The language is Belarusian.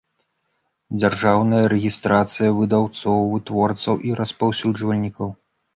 Дзяржаўная рэгiстрацыя выдаўцоў, вытворцаў i распаўсюджвальнiкаў